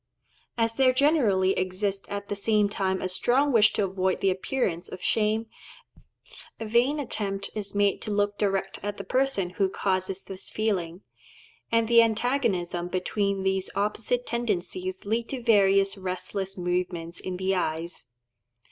As there generally exists at the same time a strong wish to avoid the appearance of shame, a vain attempt is made to look direct at the person who causes this feeling; and the antagonism between these opposite tendencies leads to various restless movements in the eyes.